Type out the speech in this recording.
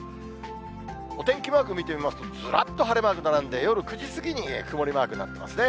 お天気マーク見てみますと、ずらっと晴れマーク並んで、夜９時過ぎに曇りマークになってますね。